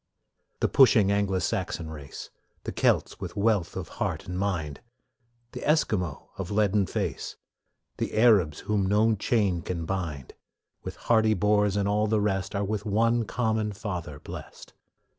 The pushing Anglo Saxon race, The Celts with wealth of heart and mind, The Esquimaux of leaden face, The Arabs whom no chain can bind, With hardy Boers and all the rest, Are with one common Father blest.